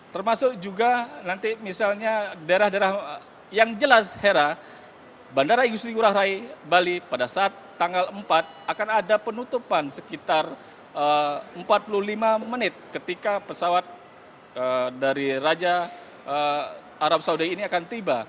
termasuk juga nanti misalnya daerah daerah yang jelas hera bandara igusti ngurah rai bali pada saat tanggal empat akan ada penutupan sekitar empat puluh lima menit ketika pesawat dari raja arab saudi ini akan tiba